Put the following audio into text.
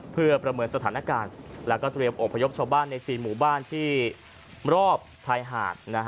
เพื่อประเมินสถานการณ์แล้วก็เตรียมอบพยพชาวบ้านใน๔หมู่บ้านที่รอบชายหาด